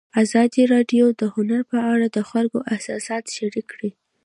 ازادي راډیو د هنر په اړه د خلکو احساسات شریک کړي.